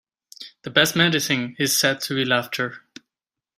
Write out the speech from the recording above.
The best medicine is said to be laughter.